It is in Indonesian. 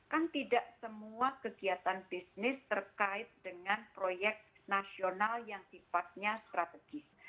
kan tidak semua kegiatan bisnis terkait dengan proyek nasional yang sifatnya strategis